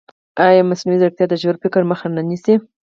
ایا مصنوعي ځیرکتیا د ژور فکر مخه نه نیسي؟